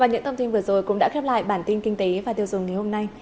và những thông tin vừa rồi cũng đã khép lại bản tin kinh tế và tiêu dùng ngày hôm nay